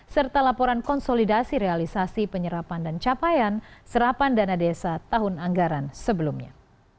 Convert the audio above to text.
serta laporan konsolidasi realisasi penyerapan dan capaian serapan dana desa tahun anggaran sebelumnya